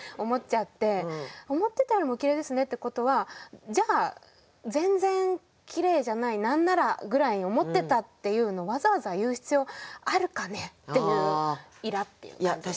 「思ってたよりもお綺麗ですね」ってことはじゃあ「全然綺麗じゃないなんなら」ぐらいに思ってたっていうのわざわざ言う必要あるかねっていうイラッていう感じですかね。